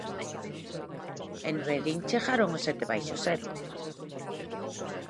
En Verín chegaron aos sete baixo cero.